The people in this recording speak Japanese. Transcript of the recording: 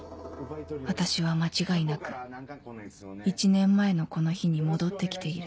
私は間違いなく１年前のこの日に戻ってきている